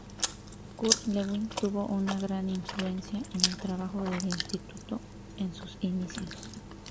Kurt Lewin tuvo una gran influencia en el trabajo del instituto en sus inicios.